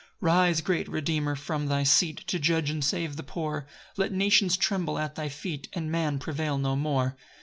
7 [Rise, great Redeemer, from thy seat, To judge and save the poor; Let nations tremble at thy feet, And man prevail no more.